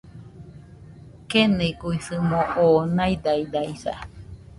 Keniguisɨmo oo naidadaisa